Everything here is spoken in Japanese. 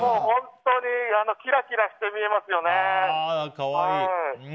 本当にキラキラして見えますよね。